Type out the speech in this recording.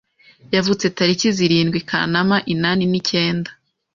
yavutse tariki zirindwi Kanama inani nikenda